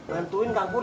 bantuin kak pur